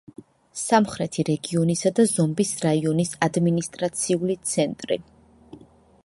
სამხრეთი რეგიონისა და ზომბის რაიონის ადმინისტრაციული ცენტრი.